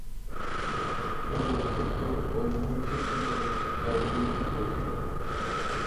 সুন্দর শেখর ও মোহন শেখর নামক তার দুই পুত্র ছিল।